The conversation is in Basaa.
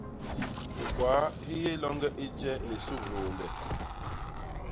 Hikwaa hi yé loñge i je ni sup hiônde.